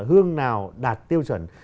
hương nào đạt tiêu chuẩn